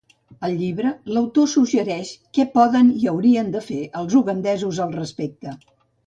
Al llibre, l'autor suggereix què poden i haurien de fer els ugandesos al respecte.